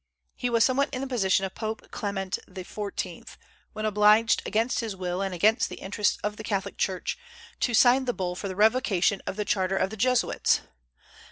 He was somewhat in the position of Pope Clement XIV. when obliged, against his will and against the interests of the Catholic Church, to sign the bull for the revocation of the charter of the Jesuits.